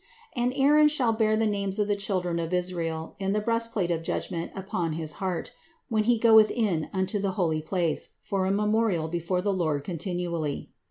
And Aaron shall bear the names of the children of Israel in the breastplate of judgment upon his heart, when he goeth in unto the holy place, for a memorial before the Lord continually.